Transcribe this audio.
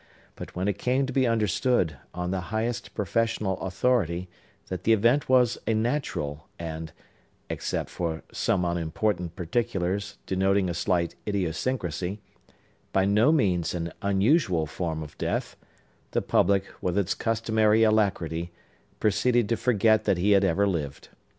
But when it came to be understood, on the highest professional authority, that the event was a natural, and—except for some unimportant particulars, denoting a slight idiosyncrasy—by no means an unusual form of death, the public, with its customary alacrity, proceeded to forget that he had ever lived.